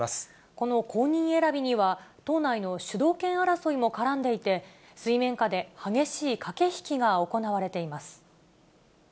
この公認選びには、党内の主導権争いも絡んでいて、水面下で激しい駆け引きが行われています。